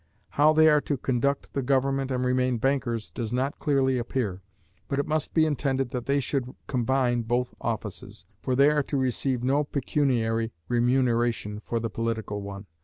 How they are to conduct the government and remain bankers, does not clearly appear; but it must be intended that they should combine both offices, for they are to receive no pecuniary remuneration for the political one.